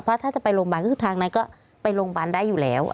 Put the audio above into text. เพราะถ้าจะไปโรงพยาบาลก็คือทางนั้นก็ไปโรงพยาบาลได้อยู่แล้ว